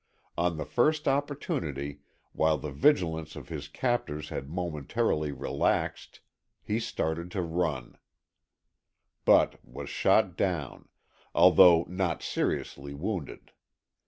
On the first opportunity, while the vigilance of his captors had momentarily relaxed, he started to run, but was shot down, although not seriously wounded.